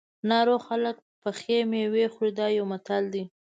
ناروغ خلک پخې مېوې خوري دا یو متل دی.